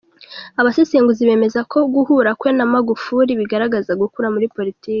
Abasesenguzi bemeza ko guhura kwe na Magufuli bigaragaza gukura muri politiki.